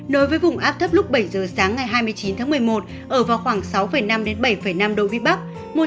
nối với vùng áp thấp lúc bảy giờ sáng ngày hai mươi chín tháng một mươi một ở vào khoảng sáu năm bảy năm độ vĩ bắc